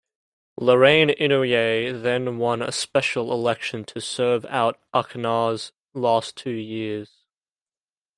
Lorraine Inouye then won a special election to serve out Akana's last two years.